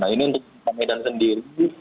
nah ini untuk kota medan sendiri